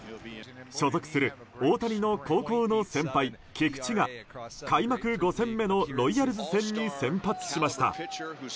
所属する大谷の高校の先輩・菊池が開幕５戦目のロイヤルズ戦に先発しました。